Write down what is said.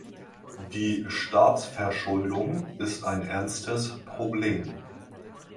Die Staatsverschuldung ist ein ernstes Problem.